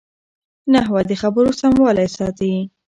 نحوه د خبرو سموالی ساتي.